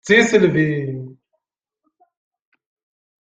D tisselbi!